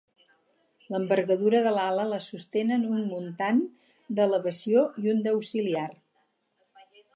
L'envergadura de l'ala la sostenen un muntant d'elevació i un d'auxiliar.